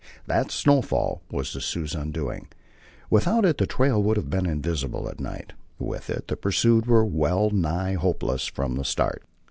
That snowfall was the Sioux's undoing. Without it the trail would have been invisible at night. With it, the pursued were well nigh hopeless from the start.